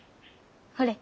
ほれ。